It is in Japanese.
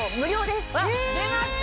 出ました